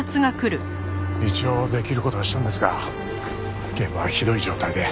一応できる事はしたんですが現場はひどい状態で。